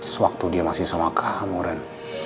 sewaktu dia masih sama kamu ren